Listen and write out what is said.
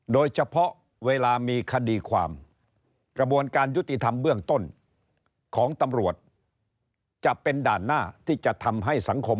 เวลามีคดีความกระบวนการยุติธรรมเบื้องต้นของตำรวจจะเป็นด่านหน้าที่จะทำให้สังคม